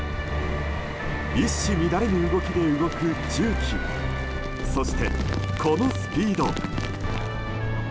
一糸乱れぬ動きで動く重機そして、このスピード。